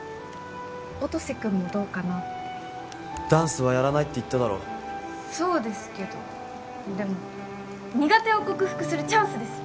音瀬君もどうかなってダンスはやらないって言っただろそうですけどでも苦手を克服するチャンスですよ